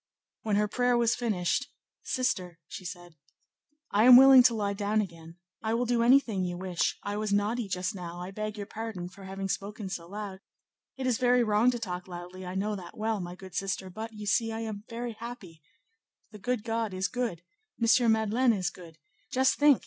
When her prayer was finished, "Sister," she said, "I am willing to lie down again; I will do anything you wish; I was naughty just now; I beg your pardon for having spoken so loud; it is very wrong to talk loudly; I know that well, my good sister, but, you see, I am very happy: the good God is good; M. Madeleine is good; just think!